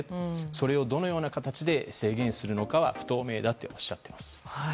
それをどのような形で制限するかは不透明だとおっしゃっています。